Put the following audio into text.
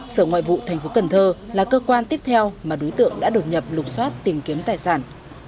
sở ngoại vụ tp cần thơ là cơ quan tiếp theo mà đối tượng đã đột nhập lột xoát tìm kiếm tài sản